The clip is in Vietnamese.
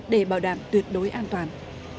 để bảo đảm tuyệt đối an toàn